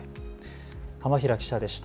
浜平記者でした。